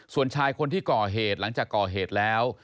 ส่วนชายคนที่ก่อเหตุหลังจากก่อเหตุแล้ว